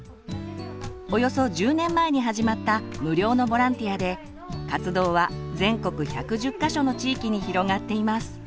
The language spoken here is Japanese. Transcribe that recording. およそ１０年前に始まった無料のボランティアで活動は全国１１０か所の地域に広がっています。